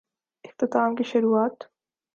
اختتام کی شروعات؟